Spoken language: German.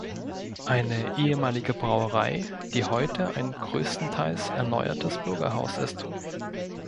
Eine ehemalige Brauerei, die heute ein größtenteils erneuertes Bürgerhaus ist.